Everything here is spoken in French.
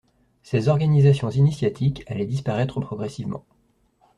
Ces organisations initiatiques allaient disparaître progressivement.